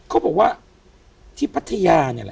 เขาบอกว่าที่พัทยา